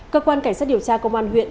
cơ quan cảnh sát điều tra công an huyện